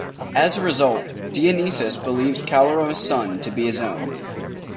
As a result, Dionysius believes Callirhoe's son to be his own.